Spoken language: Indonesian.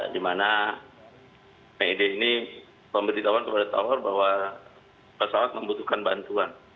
dimana mayday ini memberitahuan kepada tower bahwa pesawat membutuhkan bantuan